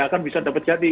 akan bisa dapat jadi